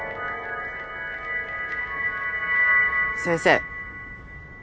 先生。